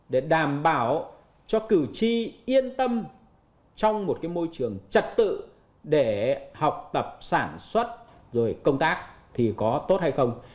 để đảm bảo cho cử tri yên tâm trong một cái môi trường trật tự để học tập sản xuất rồi công tác thì có tốt hay không